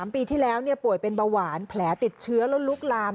ปีที่แล้วป่วยเป็นเบาหวานแผลติดเชื้อแล้วลุกลาม